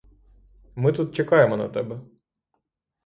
Ми тут чекаємо на тебе.